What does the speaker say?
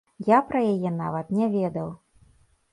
Я пра яе нават не ведаў!